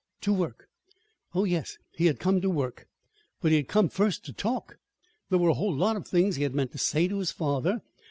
To work? Oh, yes, he had come to work; but he had come first to talk. There were a whole lot of things he had meant to say to his father.